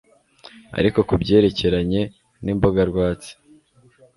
Ariko ku byerekeranye nimboga rwatsi